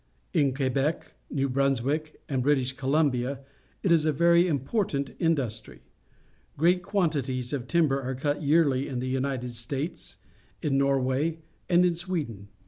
In Quebec, New Brunswick, and British Columbia it is a very important industry. Great quantities of timber are cut j^early in the United States, in Norway, and in Sweden.